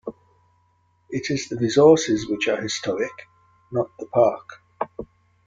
It is the resources which are historic, not the park.